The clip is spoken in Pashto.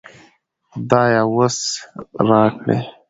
خدايه وس راکړې